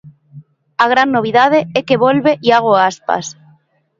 A gran novidade é que volve Iago Aspas.